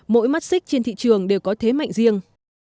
mỗi mắt xích trên thị trường đều có thế mạnh riêng